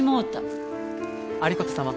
有功様。